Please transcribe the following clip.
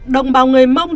đồng bào người mong